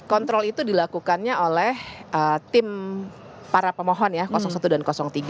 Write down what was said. kontrol itu dilakukannya oleh tim para pemohon ya satu dan tiga